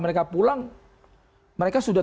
mereka pulang mereka sudah